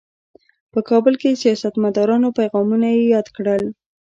په کابل کې د سیاستمدارانو پیغامونه یې یاد کړل.